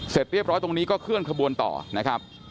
เสร็จเรียบร้อยตรงนี้ก็เคลื่อนขบวนต่อนะครับ